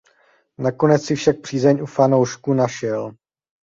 Nakonec si však přízeň u fanoušků našel.